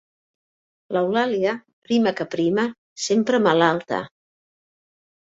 L'Eulàlia, prima que prima, sempre malalta.